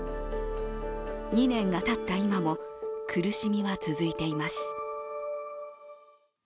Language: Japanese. ２年がたった今も苦しみは続いています。